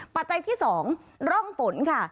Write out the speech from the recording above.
ปัจจัยที่๒ร่องฝนค่ะ